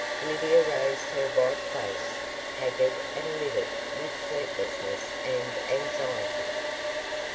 Lydia raised her white face, haggard and livid with sleeplessness and anxiety.